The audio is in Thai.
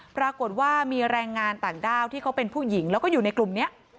ปรากฏว่ามีแรงงานต่างด้าวที่เขาเป็นผู้หญิงแล้วก็อยู่ในกลุ่มนี้